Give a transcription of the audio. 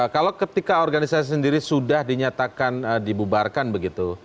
kalau ketika organisasi sendiri sudah dinyatakan dibubarkan begitu